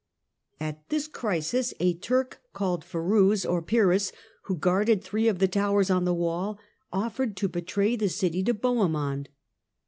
At this crisis a Turk called Firouz or Pyrrhus, who guarded three of the towers on the wall, offered to betray the city to Bohemond.